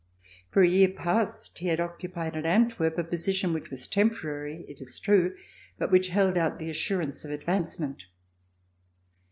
For a year past he had occupied at Antwerp a position which was temporary, it is true, but which held out the assurance of advancement.